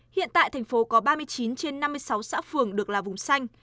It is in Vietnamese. hiện tại thành phố có ba mươi chín trên năm mươi sáu xã phường được là vùng xanh